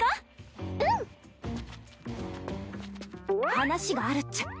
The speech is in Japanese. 話があるっちゃ。